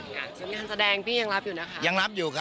งานแสดงพี่ยังรับอยู่นะคะ